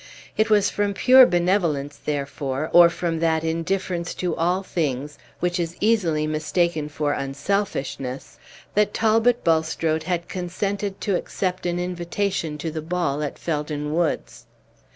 It was Page 15 from pure benevolence, therefore, or from that indifference to all things which is easily mistaken for unselfishness, that Talbot Bulstrode had consented to accept an invitation to the ball at Felden Woods.